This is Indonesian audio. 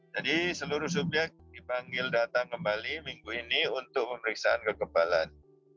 jadi seluruh subyek dipanggil datang kembali minggu ini untuk pemeriksaan kekebalan